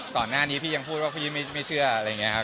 ก่อนหน้านี้พี่ยังพูดว่าพี่ไม่เชื่ออะไรอย่างนี้ครับ